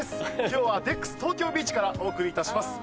今日はデックス東京ビーチからお送りいたします。